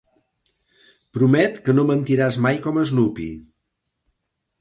Promet que no mentiràs mai com Snoopy.